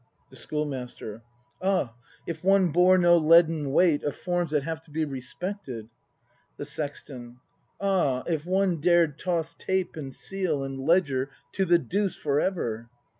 The Schoolmaster. Ah, — if one bore no leaden weight Of forms that have to be respected! The Sexton. Ah, — if one dared toss tape and seal And ledger to the deuce for ever!